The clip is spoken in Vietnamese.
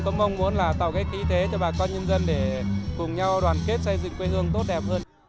cũng mong muốn là tạo cái khí thế cho bà con nhân dân để cùng nhau đoàn kết xây dựng quê hương tốt đẹp hơn